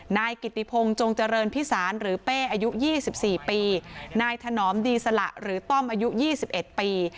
นายกิติพงจงเจริญพิสานหรือเป้อายุยี่สิบสี่ปีนายถนอมดีศระหรือต้อมอายุยี่สิบเอ็ดปี